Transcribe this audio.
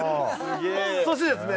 そしてですね